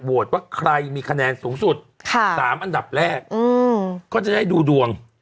โหวตว่าใครมีคะแนนสูงสุดค่ะสามอันดับแรกอืมก็จะได้ดูดวง